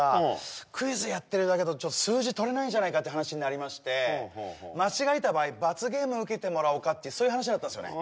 クイズやってるだけだとちょっと数字取れないんじゃないかって話になりまして間違えた場合罰ゲームを受けてもらおうかってそういう話になったんですよね